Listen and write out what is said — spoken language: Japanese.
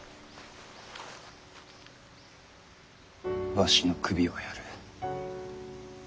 わしの首をやる。